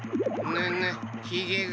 ぬぬひげが。